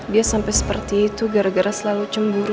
dia sampai seperti itu gara gara selalu cemburu